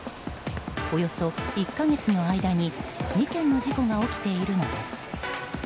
およそ１か月の間に２件の事故が起きているのです。